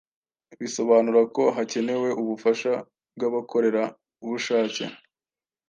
Bisobanura ko hakenewe ubufasha bwabakorerabushake,